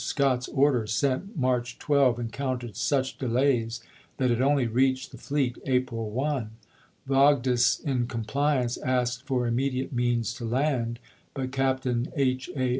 Scott's order sent March 12 encountered such delays that it only reached the fleet April 1. Vogdes, in compli ance, asked for immediate means to land ; but Cap tain H. A.